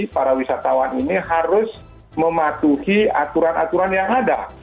para wisatawan ini harus mematuhi aturan aturan yang ada